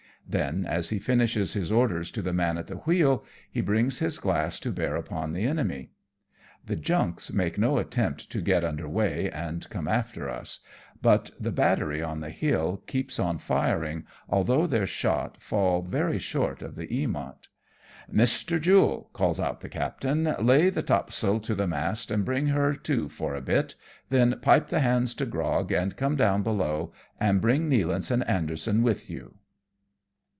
Then, as he finishes his orders to the man at the wheel, he brings his glass to bear upon the enemy. The junks make no attempt to get under weigh and come after us, but the battery on the hill keeps on firing, although their shot fall very short of the Eamont. A TTA CKED B Y PIRA TES. 3 3 " Mr. Jule !" calls out the captain, " lay the top sail to the mast and bring her to for a bit ; then pipe the hands to grog and come down below, and bring Nealance and Anderson with you."